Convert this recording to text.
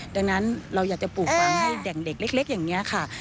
ดังนั้นเราอยากจะปลูกฝังให้เด็กเล็กอย่างนี้ค่ะ